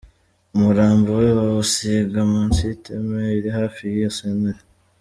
Umurambo we bawusiga munsi y’iteme iri hafi y’iyo santere.